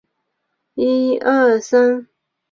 巴彦乃庙位于巴彦淖尔苏木所在地。